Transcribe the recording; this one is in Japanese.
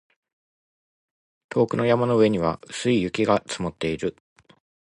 遠くの山の上には薄い雪が積もっている